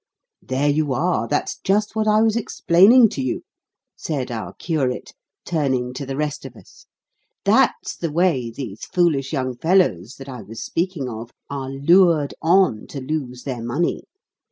"There you are, that's just what I was explaining to you," said our curate, turning to the rest of us; "that's the way these foolish young fellows that I was speaking of are lured on to lose their money.